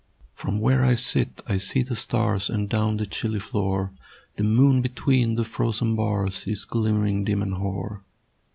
From where I sit, I see the stars, And down the chilly floor The moon between the frozen bars Is glimmering dim and hoar.